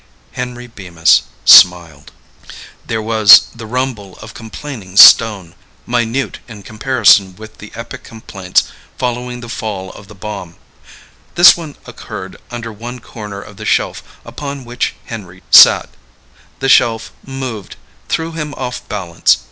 Henry Bemis smiled. There was the rumble of complaining stone. Minute in comparison which the epic complaints following the fall of the bomb. This one occurred under one corner of the shelf upon which Henry sat. The shelf moved; threw him off balance.